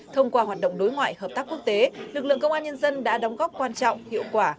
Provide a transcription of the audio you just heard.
thông qua hoạt động đối ngoại hợp tác quốc tế lực lượng công an nhân dân đã đóng góp quan trọng hiệu quả